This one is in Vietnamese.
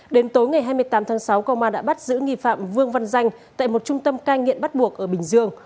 đến tối ngày hai mươi tám tháng sáu công an đã bắt giữ nghi phạm vương văn danh tại một trung tâm cai nghiện bắt buộc ở bình dương